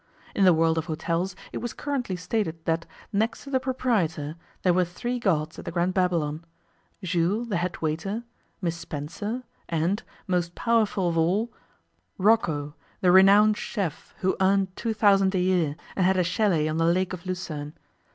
In the world of hotels it was currently stated that, next to the proprietor, there were three gods at the Grand Babylon Jules, the head waiter, Miss Spencer, and, most powerful of all, Rocco, the renowned chef, who earned two thousand a year, and had a chalet on the Lake of Lucerne.